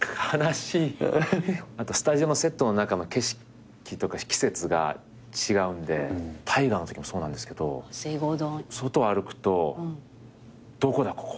あとスタジオのセットの中の景色とか季節が違うんで大河のときもそうなんですけど外歩くとどこだここは！？ってなるんですよね。